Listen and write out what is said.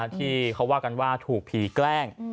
ที่เขาว่ากันว่าถูกผีแกล้ง